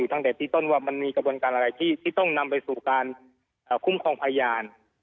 ตั้งแต่ที่ต้นว่ามันมีกระบวนการอะไรที่ต้องนำไปสู่การคุ้มครองพยาน